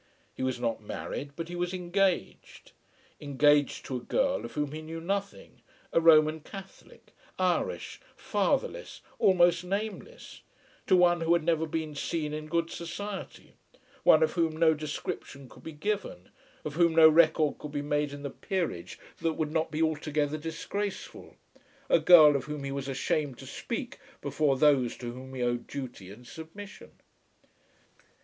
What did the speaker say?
He was not married but he was engaged; engaged to a girl of whom he knew nothing, a Roman Catholic, Irish, fatherless, almost nameless, to one who had never been seen in good society, one of whom no description could be given, of whom no record could be made in the peerage that would not be altogether disgraceful, a girl of whom he was ashamed to speak before those to whom he owed duty and submission!